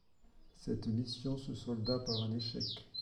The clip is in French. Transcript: Cette mission se solda par un échec.